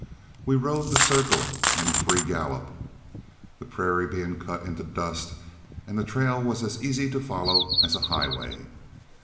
We rode the circle in a free gallop, the prairie being cut into dust and the trail as easy to follow as a highway.